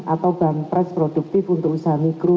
atau bahan press produktif untuk usaha mikro